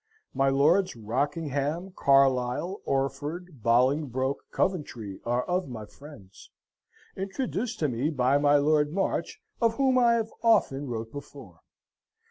My Lords Rockingham, Carlisle, Orford, Bolingbroke, Coventry are of my friends, introduced to me by my Lord March, of whom I have often wrote before.